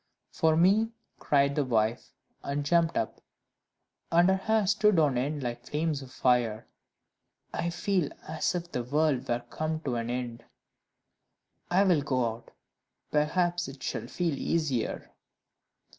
"For me," cried the wife, and jumped up, and her hair stood on end like flames of fire, "I feel as if the world were come to an end; I will go out perhaps I shall feel easier."